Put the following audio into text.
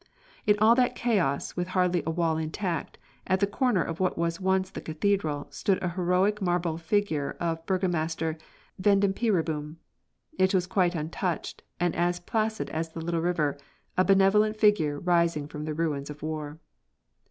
In all that chaos, with hardly a wall intact, at the corner of what was once the cathedral, stood a heroic marble figure of Burgomaster Vandenpeereboom. It was quite untouched and as placid as the little river, a benevolent figure rising from the ruins of war.